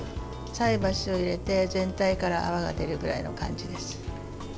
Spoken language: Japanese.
菜箸を入れて、全体から泡が出るくらいの感じです。